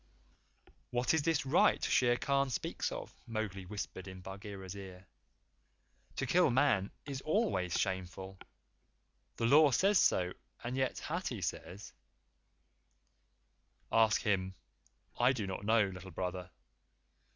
"What is this right Shere Khan speaks of?" Mowgli whispered in Bagheera's ear. "To kill Man is always, shameful. The Law says so. And yet Hathi says " "Ask him. I do not know, Little Brother.